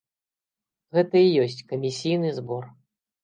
Гэта і ёсць камісійны збор.